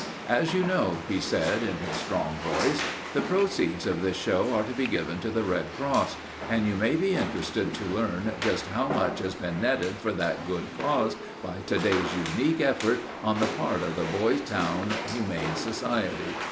"As you know," he said in his strong voice, "the proceeds of this show are to be given to the Red Cross, and you may be interested to learn just how much has been netted for that good cause by to day's unique effort on the part of the Boytown Humane Society.